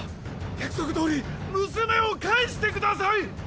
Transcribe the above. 約束どおり娘を返してください！